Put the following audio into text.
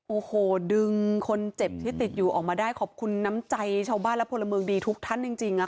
โอ้โหดึงคนเจ็บที่ติดอยู่ออกมาได้ขอบคุณน้ำใจชาวบ้านและพลเมืองดีทุกท่านจริง